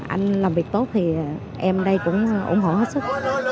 anh làm việc tốt thì em đây cũng ủng hộ hết sức